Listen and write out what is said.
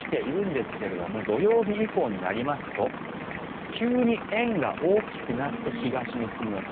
かなり精度が高くなってきているんですが土曜日以降になりますと急に円が大きくなって東に進む予想。